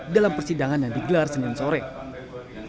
dalam persidangan yang digelar senin sore